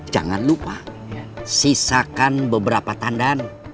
jangan lupa sisakan beberapa tandan